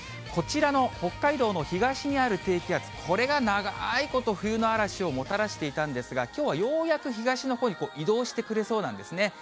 こちらの北海道の東にある低気圧、これが長いこと、冬の嵐をもたらしていたんですが、きょうはようやく東のほうに移動してくれそうなんですね。